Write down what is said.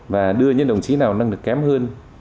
và đưa những đồng chí nào có năng lực kém hơn